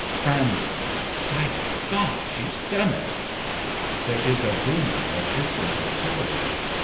Brander. By God, she's done it ! {There is a booming of distant artillery.)